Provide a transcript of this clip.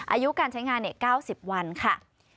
อายุการใช้งาน๙๐วันค่ะ